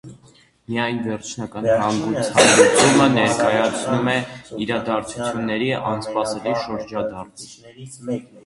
Միայն վերջնական հանգուցալուծումը ներկայացնում է իրադարձությունների անսպասելի շրջադարձ։